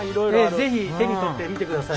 是非手に取って見てください。